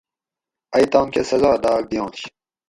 ائ تام کہ سزا داۤگ دیاںش